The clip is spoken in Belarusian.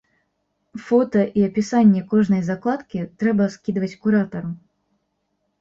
Фота і апісанне кожнай закладкі трэба скідваць куратару.